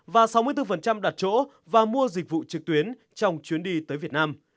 và sáu mươi bốn đặt chỗ và mua dịch vụ trực tuyến trong chuyến đi tới việt nam